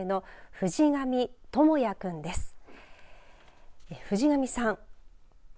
藤上さん